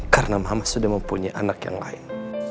karena mama sudah mempunyai anak yang lain